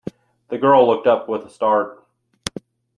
The girl looked up with a start.